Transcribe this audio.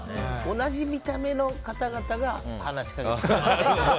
同じ見た目の方々が話しかけてくる。